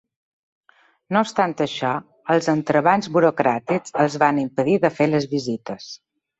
No obstant això, els entrebancs burocràtics els van impedir de fer les visites.